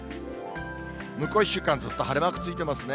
向こう１週間、ずっと晴れマークついてますね。